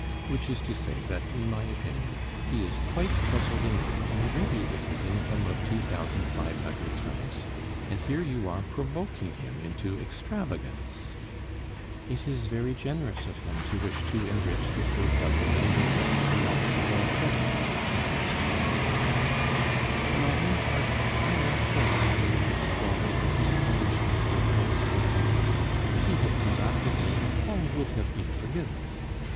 Which is to say that, in my opinion, he is quite puzzled enough already with his income of two thousand five hundred francs, and here you are provoking him into extravagance " "It is very generous of him to wish to enrich the poor fellow who regrets the loss of our cousin," pronounced the Presidente. "For my own part, I am sorry for the little squabble that estranged M. Pons and me. If he had come back again, all would have been forgiven.